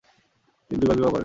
তিনি দুই বার বিবাহ করেন।